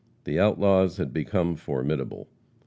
The outlaws had become formidable.